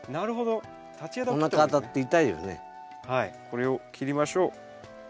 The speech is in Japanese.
これを切りましょう。